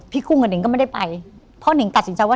กุ้งกับหิงก็ไม่ได้ไปเพราะนิงตัดสินใจว่า